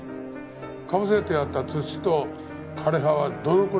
かぶせてあった土と枯れ葉はどのくらいでした？